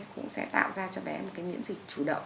cũng sẽ tạo ra cho bé một cái miễn dịch